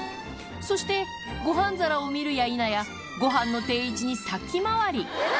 そして、ごはん皿を見るや否や、ごはんの定位置に先回り。